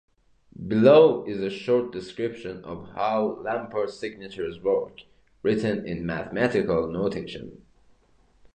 Below is a short description of how Lamport signatures work, written in mathematical notation.